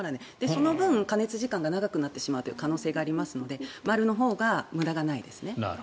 その分、加熱時間が長くなる可能性がありますので丸のほうがむらがないです。